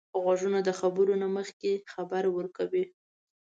غوږونه د خبرو نه مخکې خبر ورکوي